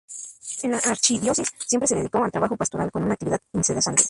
En la archidiócesis, siempre se dedicó al trabajo pastoral, con una actividad incesante.